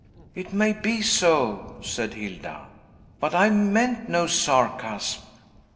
"It may be so," said Hilda; "but I meant no sarcasm."